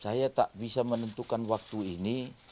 saya tak bisa menentukan waktu ini